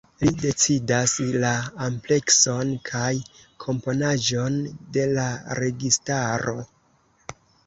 Li decidas la amplekson kaj komponaĵon de la registaro.